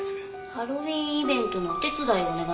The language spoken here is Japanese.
「ハロウィーンイベントのお手伝いをお願いします」